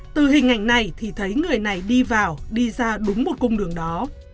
từ hình ảnh này thì thấy người này đi vào đi ra đúng một cung đường đó